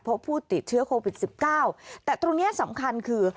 เพราะผู้ติดเชื้อโควิด๑๙แต่ตรงนี้สำคัญคือ